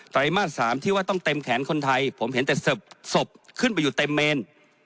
ไรมาส๓ที่ว่าต้องเต็มแขนคนไทยผมเห็นแต่ศพขึ้นไปอยู่เต็มเมน